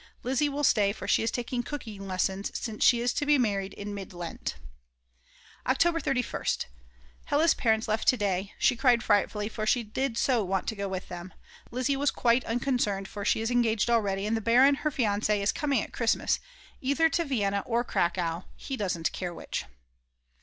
Lizzi will stay, for she is taking cooking lessons, since she is to be married in Mid Lent. October 31st. Hella's parents left to day, she cried frightfully, for she did so want to go with them. Lizzi was quite unconcerned, for she is engaged already, and the Baron, her fiance, is coming at Christmas, either to Vienna or Cracow; he does not care which.